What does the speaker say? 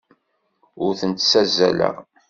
Ur tent-ssazzaleɣ.